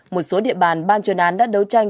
một số địa bàn ban chuyên án đã đấu tranh